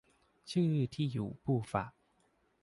ชื่อที่อยู่ผู้ฝาก